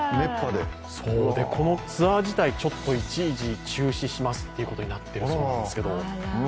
このツアー自体ちょっと一時中止しますってことになってるそうなんですけど。